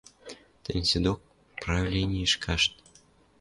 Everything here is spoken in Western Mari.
Тӹнь седок правленьӹш кашт.